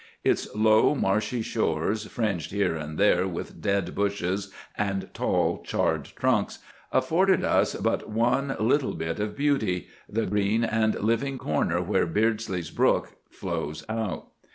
Its low, marshy shores, fringed here and there with dead bushes and tall, charred trunks, afforded us but one little bit of beauty,—the green and living corner where Beardsley Brook flows out.